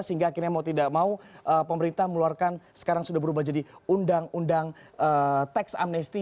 sehingga akhirnya mau tidak mau pemerintah meluarkan sekarang sudah berubah jadi undang undang teks amnesti